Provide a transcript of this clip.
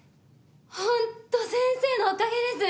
本当先生のおかげです！